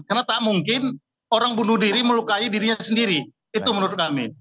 karena tak mungkin orang bunuh diri melukai dirinya sendiri itu menurut kami